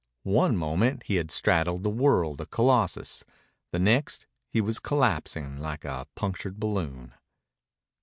One moment he had straddled the world a Colossus, the next he was collapsing like a punctured balloon.